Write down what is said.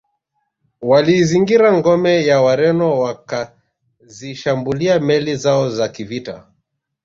Waliizingira ngome ya Wareno wakazishambulia meli zao za kivita